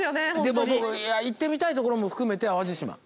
でももう行ってみたいところも含めて淡路島。